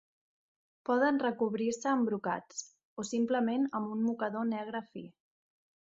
Poden recobrir-se amb brocats, o simplement amb un mocador negre fi.